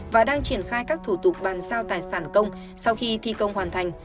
và đang triển khai các thủ tục bàn sao tài sản công sau khi thi công hoàn thành